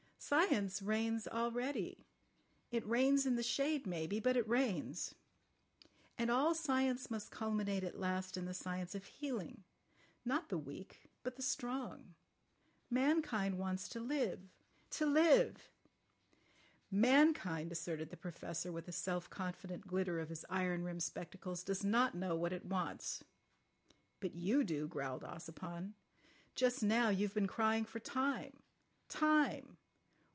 Science reigns already. It reigns in the shade maybe—but it reigns. And all science must culminate at last in the science of healing—not the weak, but the strong. Mankind wants to live—to live." "Mankind," asserted the Professor with a self confident glitter of his iron rimmed spectacles, "does not know what it wants." "But you do," growled Ossipon. "Just now you've been crying for time—time.